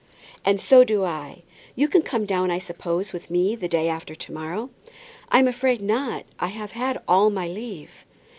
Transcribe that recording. "And so do I. You can come down, I suppose, with me the day after to morrow?" "I'm afraid not. I have had all my leave."